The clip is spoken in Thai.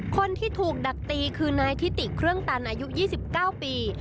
คนที่ถูกดักตีคือนายทิติเครื่องตันอายุ๒๙ปี